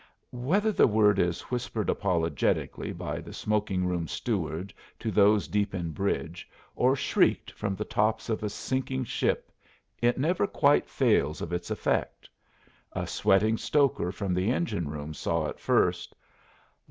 Whether the word is whispered apologetically by the smoking room steward to those deep in bridge, or shrieked from the tops of a sinking ship it never quite fails of its effect. A sweating stoker from the engine room saw it first.